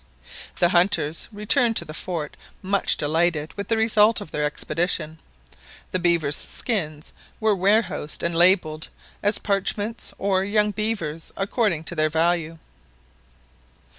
The hunters returned to the fort much delighted with the result of their expedition. The beavers' skins were warehoused and labelled as "parchments" or "young beavers," according to their value.